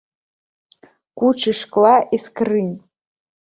Кучы шкла і скрынь.